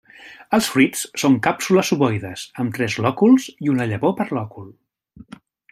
Els fruits són càpsules ovoides, amb tres lòculs i una llavor per lòcul.